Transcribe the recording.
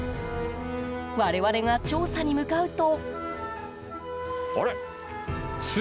我々が調査に向かうと。